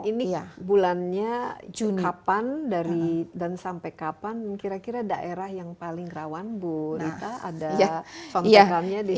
ini bulannya kapan dari dan sampai kapan kira kira daerah yang paling rawan bu rita ada contohannya di sini